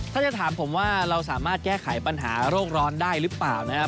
ถ้าจะถามผมว่าเราสามารถแก้ไขปัญหาโรคร้อนได้หรือเปล่านะครับ